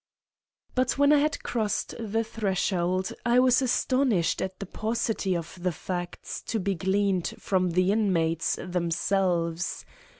But when I had crossed the threshold, I was astonished at the paucity of the facts to be gleaned from the inmates themselves.